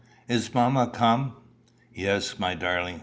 "Is mamma come?" "Yes, my darling.